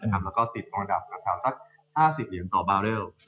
แล้วก็ติดตรงระดับสัก๕๐เหรียญต่อบาทเร็ว